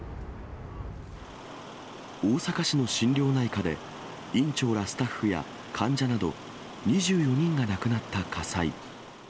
大阪市の心療内科で、院長らスタッフや患者など、２４人が亡くなった火災。